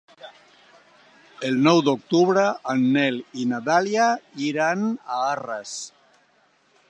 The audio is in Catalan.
El nou d'octubre en Nel i na Dàlia iran a Arres.